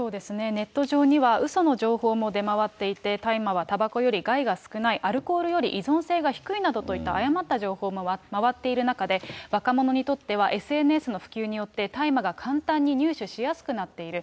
ネット上にはうその情報も出回っていて、大麻はたばこより害が少ない、アルコールより依存性が低いなどといった誤った情報も回っている中で、若者にとってはＳＮＳの普及によって、大麻が簡単に入手しやすくなっている。